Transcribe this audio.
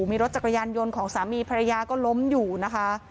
มีรถจักรยานยนต์ของสามีภรรยาก็ล้มอยู่นะคะ